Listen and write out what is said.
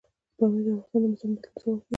پامیر د افغانستان د موسم د بدلون سبب کېږي.